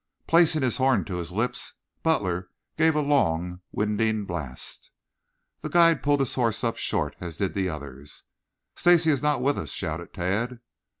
Placing his horn to his lips, Butler gave a long, winding blast. The guide pulled his horse up short, as did the others. "Stacy is not with us," shouted Tad.